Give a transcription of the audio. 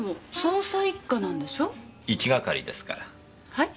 はい？